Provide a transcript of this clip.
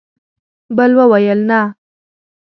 بل وویل: نه!